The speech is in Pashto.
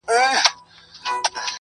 قاسم یاره دوی لقب د اِبهام راوړ,